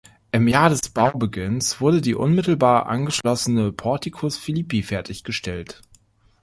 Im Jahr des Baubeginns wurde die unmittelbar angeschlossene Porticus Philippi fertiggestellt.